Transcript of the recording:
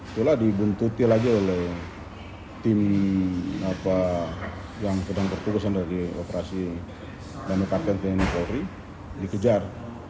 itulah dibuntuti lagi oleh tim yang sedang bertugasan dari operasi tni polri dikejar